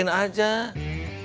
kan yang punya udah pulang